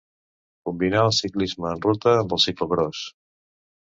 Combinà el ciclisme en ruta amb el ciclocròs.